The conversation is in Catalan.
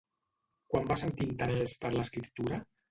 Quan va sentir interès per l'escriptura?